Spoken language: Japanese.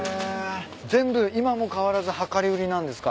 全部今も変わらず量り売りなんですか。